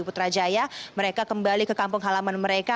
putrajaya mereka kembali ke kampung halaman mereka